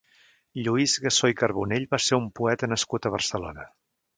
Lluís Gassó i Carbonell va ser un poeta nascut a Barcelona.